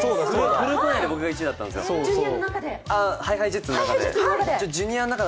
グループ内で僕が１位だったんですよ。ＨｉＨｉＪｅｔｓの中で。